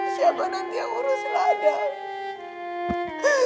siapa nanti yang urus ladang